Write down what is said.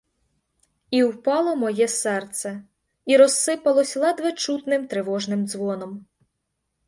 І впало моє серце, і розсипалось ледве чутним тривожним дзвоном.